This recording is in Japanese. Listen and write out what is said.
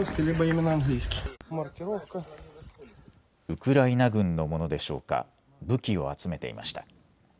ウクライナ軍のものでしょうか、武器を集めていました。